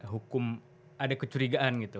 hukum ada kecurigaan gitu